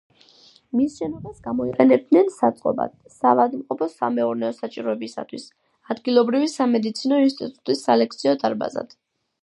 მის შენობას გამოიყენებდნენ საწყობად, საავადმყოფოს სამეურნეო საჭიროებისათვის, ადგილობრივი სამედიცინო ინსტიტუტის სალექციო დარბაზად.